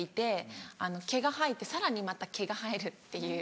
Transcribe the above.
毛が生えてさらにまた毛が生えるっていう。